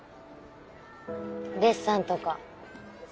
デッサンとか。